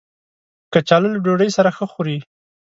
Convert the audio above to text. کچالو له ډوډۍ سره ښه خوري